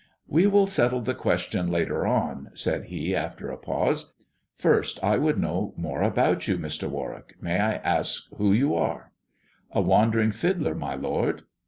" We will settle the question later on," said he after a pause ;" first, I would know more about you, Mr. Warwick. May I ask who you are 1 "" A wandering fiddler, my lord."